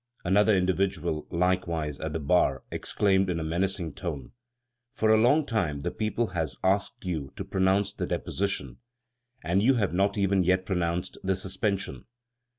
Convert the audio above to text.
Another individual, likewise at the bar, exclaimed in a menacing tone: "For a long time the people has asked you to pronounce the deposition, and you have not even yet pronounced the suspension!